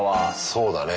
そうだね。